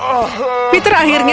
peter akhirnya melarikan dirinya